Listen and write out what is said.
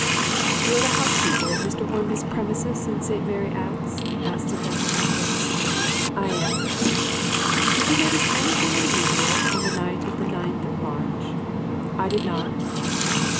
"You are the housekeeper at Mr. Hornby's premises in St. Mary Axe?" asked Sir Hector Trumpler. "I am." "Did you notice anything unusual on the night of the ninth of March?" "I did not."